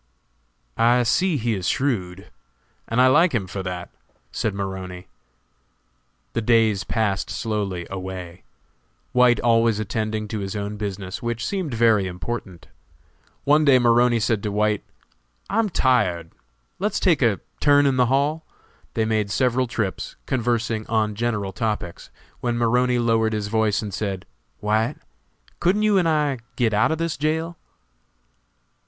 "I see he is shrewd, and I like him for that," said Maroney. The days passed slowly away, White always attending to his own business, which seemed very important. One day Maroney said to White, "I'm tired, let's take a turn in the hall?" They made several trips, conversing on general topics, when Maroney lowered his voice and said: "White, couldn't you and I get out of this jail?"